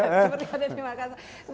seperti ada di makassar